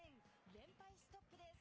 連敗ストップです。